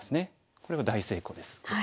これは大成功です黒は。